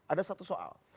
ada satu soal